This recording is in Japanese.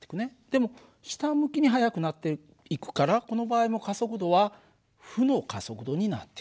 でも下向きに速くなっていくからこの場合の加速度は負の加速度になっている。